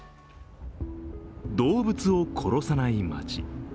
動物を殺さない街。